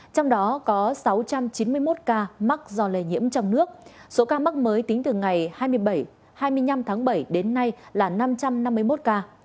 có sáu trăm chín mươi một ca mắc do lây nhiễm trong nước số ca mắc mới tính từ ngày hai mươi bảy hai mươi năm tháng bảy đến nay là năm trăm năm mươi một ca